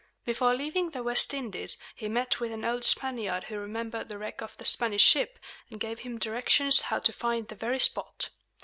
Before leaving the West Indies, he met with an old Spaniard who remembered the wreck of the Spanish ship, and gave him directions how to find the very spot.